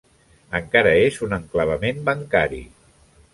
Encara és un enclavament bancari.